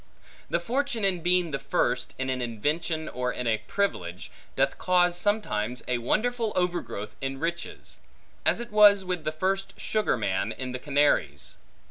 The fortune in being the first, in an invention or in a privilege, doth cause sometimes a wonderful overgrowth in riches; as it was with the first sugar man, in the Canaries.